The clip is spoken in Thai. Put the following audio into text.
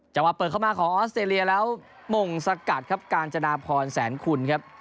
จังหวะเปิดเข้ามาของออสเตรเลียแล้วมงสกัดครับกาญจนาพรแสนคุณครับ